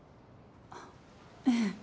あっええ。